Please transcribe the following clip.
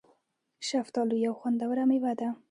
شفتالو یو خوندوره مېوه ده